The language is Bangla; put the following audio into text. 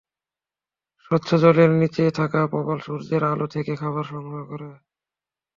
স্বচ্ছ জলের নিচে থাকা প্রবাল সূর্যের আলো থেকে খাবার সংগ্রহ করে।